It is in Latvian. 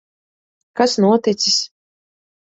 Kas noticis?